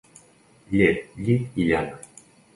Llet, llit i llana.